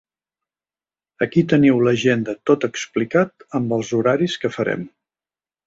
Aquí teniu l'agenda tot explicat, amb els horaris que farem.